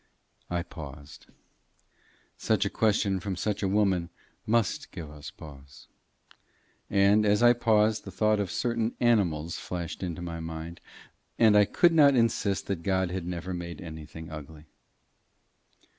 I paused. Such a question from such a woman "must give us pause." And, as I paused, the thought of certain animals flashed into my mind and I could not insist that God had never made anything ugly.